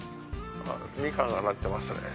ミカンがなってますね。